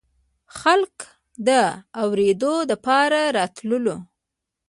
خلق د اورېدو دپاره راتللو